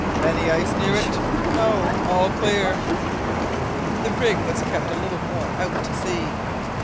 "Any ice near it?" "No; all clear." The brig was kept a little more out to sea.